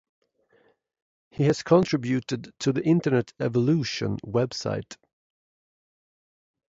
He has contributed to the Internet Evolution website.